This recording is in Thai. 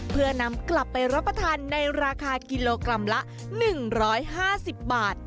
เพื่อนำกลับไปรับประทานในราคากิโลกรัมละ๑๕๐บาท